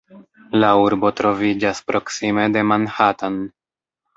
La urbo troviĝas proksime de Manhattan.